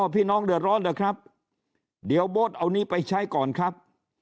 พี่น้องเดือดร้อนเหรอครับเดี๋ยวโบ๊ทเอานี้ไปใช้ก่อนครับ